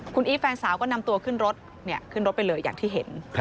คุณอีฟแฟนสาวก็นำตัวขึ้นรถขึ้นรถไปเลยอย่างที่เห็น